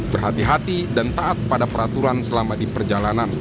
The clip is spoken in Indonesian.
berhati hati dan taat pada peraturan selama di perjalanan